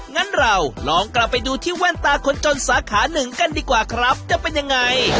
งั้นเราลองกลับไปดูที่แว่นตาคนจนสาขาหนึ่งกันดีกว่าครับจะเป็นยังไง